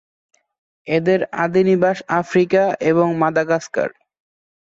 এদের আদিনিবাস আফ্রিকা এবং মাদাগাস্কার।